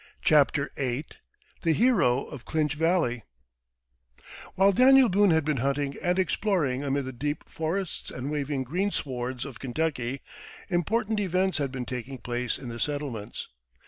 CHAPTER VIII THE HERO OF CLINCH VALLEY While Daniel Boone had been hunting and exploring amid the deep forests and waving greenswards of Kentucky, important events had been taking place in the settlements.